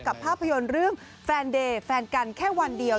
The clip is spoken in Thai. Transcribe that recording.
ภาพยนตร์เรื่องแฟนเดย์แฟนกันแค่วันเดียว